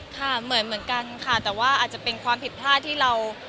ค่ะเหมือนกันค่ะแต่ว่าอาจจะเป็นความผิดพลาดที่เรา